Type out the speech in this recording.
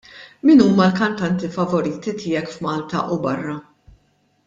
Min huma l-kantanti favoriti tiegħek f'Malta u barra?